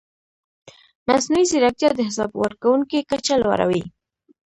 مصنوعي ځیرکتیا د حساب ورکونې کچه لوړوي.